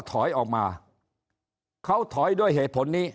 ถอยออกมาเขาถอยด้วยเหตุผลนี้